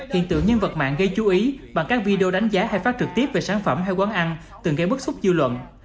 hiện tượng nhân vật mạng gây chú ý bằng các video đánh giá hay phát trực tiếp về sản phẩm hay quán ăn từng gây bức xúc dư luận